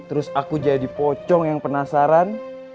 terus aku jadi pocong yang penasaran